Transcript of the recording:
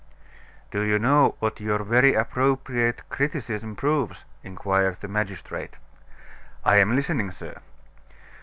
"Do you know what your very appropriate criticism proves?" inquired the magistrate. "I am listening, sir."